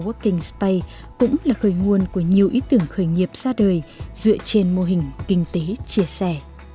working space cũng là khởi nguồn của nhiều ý tưởng khởi nghiệp ra đời dựa trên mô hình kinh tế chia sẻ